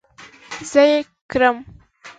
زه ئې کرم